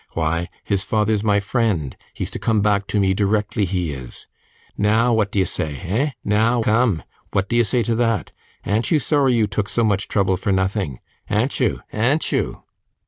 Why, his father's my friend; he's to come back to me directly, he is. Now, what do you say eh! now come what do you say to that an't you sorry you took so much trouble for nothing? an't you? an't you?